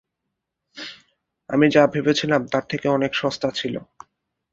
আমি যা ভেবেছিলাম তার থেকে অনেক সস্তা ছিল।